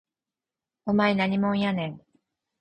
お前何もんやねん